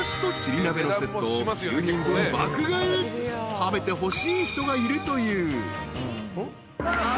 ［食べてほしい人がいるという］